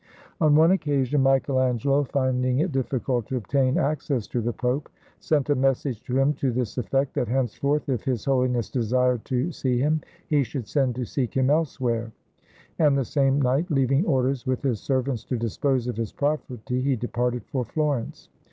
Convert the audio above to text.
On one occasion Michael Angelo, finding it difficult to obtain access to the Pope, sent a message to him to this effect, that "henceforth, if His Hohness desired to see him, he should send to seek him elsewhere"; and the same night, leaving orders with his servants to dispose of his property, he departed for Florence.